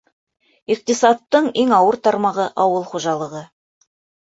Иҡтисадтың иң ауыр тармағы — ауыл хужалығы.